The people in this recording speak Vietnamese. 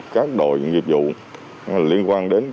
các đội nghiệp vụ liên quan đến